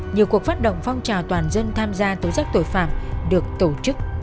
nhiều cuộc phát động phong trào toàn dân tham gia tố giác tội phạm được tổ chức